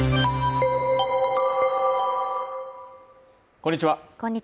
こんにちは